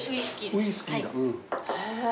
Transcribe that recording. ウイスキーだ。